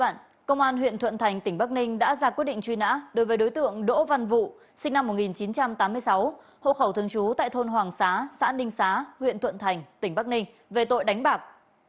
bộ chỉ huy an ninh tỉnh bắc ninh đã ra quyết định truy nã đối với đối tượng đỗ văn vụ sinh năm một nghìn chín trăm tám mươi sáu hộ khẩu thương chú tại thôn hoàng xá xã ninh xá huyện thuận thành tỉnh bắc ninh về tội đánh bạc